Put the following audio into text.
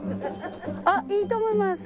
あっいいと思います！